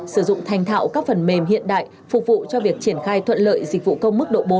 sử dụng thành thạo các phần mềm hiện đại phục vụ cho việc triển khai thuận lợi dịch vụ công mức độ bốn